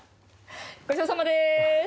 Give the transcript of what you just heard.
ごちそうさまです！